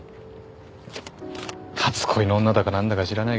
初恋の女だかなんだか知らないけど。